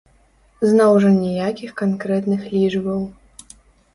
Зноў жа ніякіх канкрэтных лічбаў!